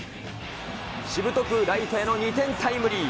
しぶとくライトへの２点タイムリー。